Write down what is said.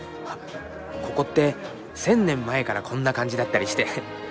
ここって千年前からこんな感じだったりして。